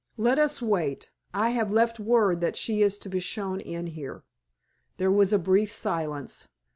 Let us wait, I have left word that she is to be shown in here." There was a brief silence.